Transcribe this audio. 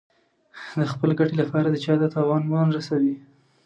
د خپلې ګټې لپاره چا ته تاوان ونه رسوي.